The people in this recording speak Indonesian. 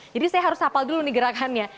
jadi saya harus hafal dulu nih gerakannya